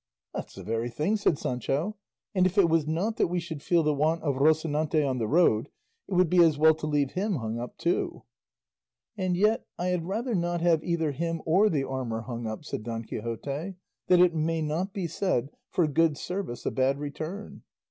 "That's the very thing," said Sancho; "and if it was not that we should feel the want of Rocinante on the road, it would be as well to leave him hung up too." "And yet, I had rather not have either him or the armour hung up," said Don Quixote, "that it may not be said, 'for good service a bad return.